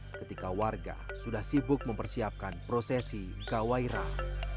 ketika warga sudah sibuk mempersiapkan prosesi gawairah